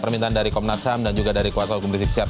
permintaan dari komnas ham dan juga dari kuasa hukum rizik sihab